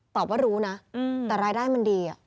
ว่ารู้นะแต่รายได้มันดี